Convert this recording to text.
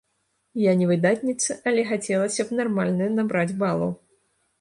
Я не выдатніца, але хацелася б нармальна набраць балаў.